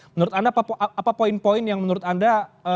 menurut anda apa poin poin yang menurut anda